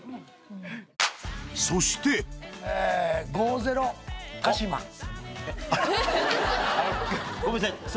そしてごめんなさい！